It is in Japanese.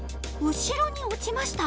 後ろに落ちました。